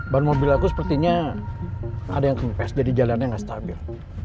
ban mobil aku sepertinya ada yang kempes jadi jalannya nggak stabil